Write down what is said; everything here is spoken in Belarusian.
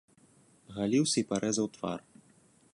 Галіўся і парэзаў твар.